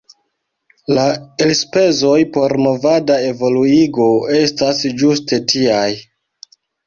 La elspezoj por movada evoluigo estas ĝuste tiaj.